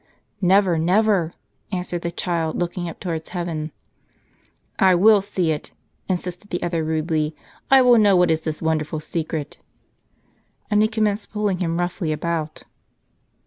" Never, never," answered the child, looking up towards heaven. " I will see it," insisted the other rudely ; "I will know what is this wonderful secret." And he commenced pulling hiui roughly about.